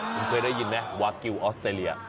คุณเคยได้ยินไหมวากิลออสเตรเลีย